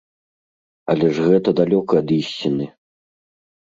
Але ж гэта далёка ад ісціны.